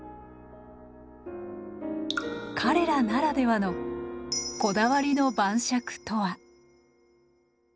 彼らならではのこだわりの晩酌とは？